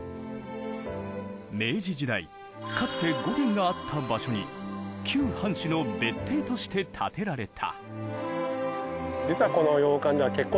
明治時代かつて御殿があった場所に旧藩主の別邸として建てられた。